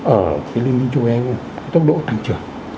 ở cái liên minh châu âu tốc độ tăng trưởng